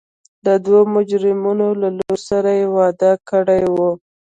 د دوو مجرمینو له لور سره یې واده کړی و.